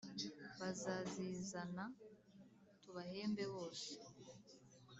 bazazizana tubahembe bose